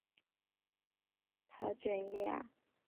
桃卷叶蚜为常蚜科瘤蚜属下的一个种。